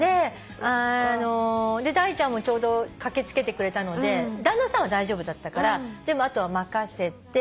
ダイちゃんもちょうど駆け付けてくれたので旦那さんは大丈夫だったからあとは任せて。